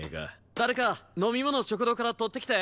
誰か飲み物食堂から取ってきて。